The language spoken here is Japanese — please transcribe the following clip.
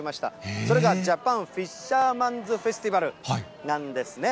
それがジャパンフィッシャーマンズフェスティバルなんですね。